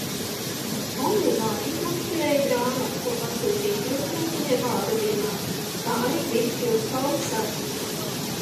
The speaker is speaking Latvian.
Omnivā izmakšķerēju grāmatu, ko pasūtīju krustmeitiņai vārda dienā, kā arī divas pildspalvas sev.